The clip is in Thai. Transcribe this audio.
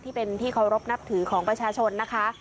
ที่เป็นที่เคารพนับถือของประชาชนนะคะ